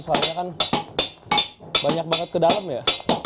soalnya kan banyak banget ke dalam ya